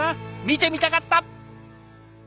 見てみたかった！